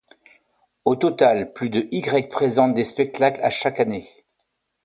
Au total, plus de y présentent des spectacles à chaque année.